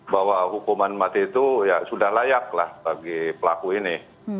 bahwa hukuman mati itu ya sudah layak lah bagi pelaku ini